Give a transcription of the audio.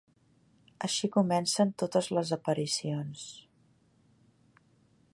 Així comencen totes les aparicions.